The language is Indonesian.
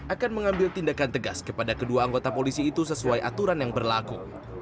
akan mengambil tindakan tegas kepada kedua anggota polisi itu sesuai aturan yang berlaku